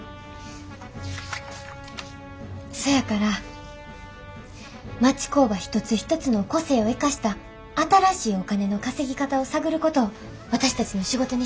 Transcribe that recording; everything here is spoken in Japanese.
そやから町工場一つ一つの個性を生かした新しいお金の稼ぎ方を探ることを私たちの仕事にしたいんです。